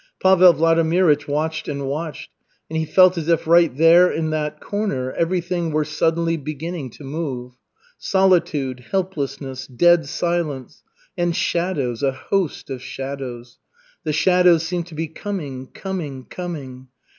Pavel Vladimirych watched and watched, and he felt as if right there in that corner everything were suddenly beginning to move. Solitude, helplessness, dead silence and shadows, a host of shadows. The shadows seemed to be coming, coming, coming.